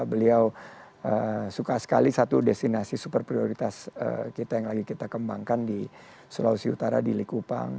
beliau suka sekali satu destinasi super prioritas kita yang lagi kita kembangkan di sulawesi utara di likupang